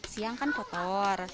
siang kan kotor